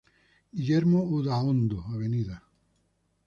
Guillermo Udaondo, Av.